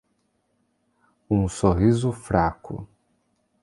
um sorriso fraco